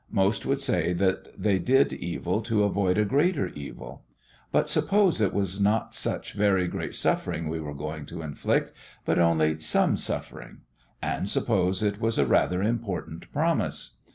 Most would say that they did evil to avoid a greater evil. But suppose it was not such very great suffering we were going to inflict, but only some suffering? And suppose it was a rather important promise?